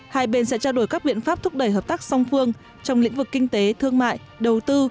hai bên sẽ trao đổi các biện pháp thúc đẩy hợp tác song phương trong lĩnh vực kinh tế thương mại đầu tư